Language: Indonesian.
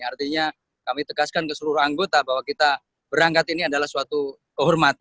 artinya kami tegaskan ke seluruh anggota bahwa kita berangkat ini adalah suatu kehormatan